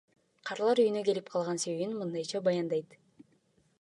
Карылар үйүнө келип калган себебин мындайча баяндайт.